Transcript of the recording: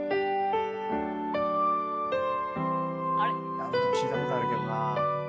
何か聴いたことあるけどな。